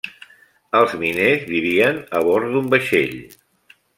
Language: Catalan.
Els miners vivien a bord d’un vaixell.